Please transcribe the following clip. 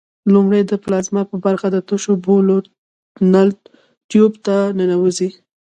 لومړی د پلازما برخه د تشو بولو نل ټیوب ته ننوزي.